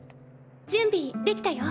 準備できたよ。